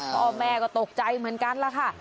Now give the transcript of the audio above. พ่อแม่ก็ตกใจเหมือนกันล่ะค่ะ